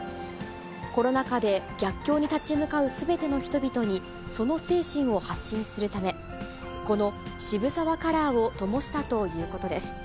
コロナ禍で、逆境に立ち向かうすべての人々に、その精神を発信するため、この渋沢カラーをともしたということです。